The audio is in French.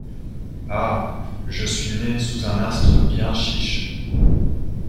Ah ! je suis né sous un astre bien chiche !